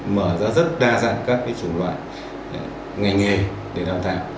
mở ra rất đa dạng các chủng loại ngành nghề để đào tạo